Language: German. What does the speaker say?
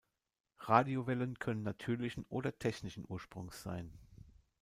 Radiowellen können natürlichen oder technischen Ursprungs sein.